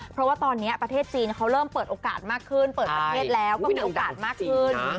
เพราะว่าตอนนี้ประเทศจีนเขาเริ่มเปิดโอกาสมากขึ้นเปิดประเทศแล้วก็มีโอกาสมากขึ้น